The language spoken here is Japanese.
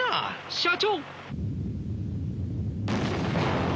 社長！